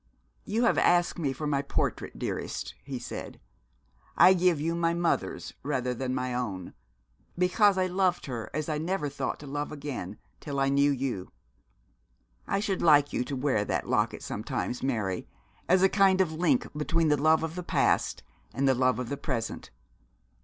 'You have asked me for my portrait, dearest,' he said. 'I give you my mother's rather than my own, because I loved her as I never thought to love again, till I knew you. I should like you to wear that locket sometimes, Mary, as a kind of link between the love of the past and the love of the present.